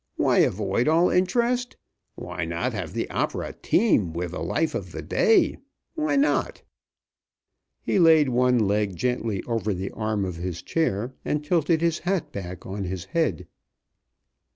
Why avoid all interest? Why not have the opera teem with the life of the day? Why not?" He laid one leg gently over the arm of his chair and tilted his hat back on his head.